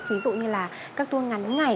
ví dụ như là các tour ngắn ngày